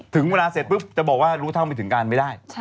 ถึงเวลาเสร็จปุ๊บจะบอกว่ารู้เท่าไม่ถึงการไม่ได้